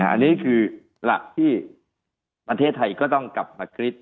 อันนี้คือหลักที่ประเทศไทยก็ต้องกลับมาคิด